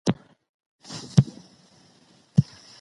یوازې یووالی موږ ژغورلی سي.